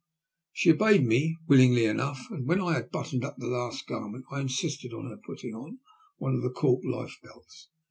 She obeyed me willingly enough, and when I had buttoned the last garment up I insisted on her patting on one of the cork lifebelts.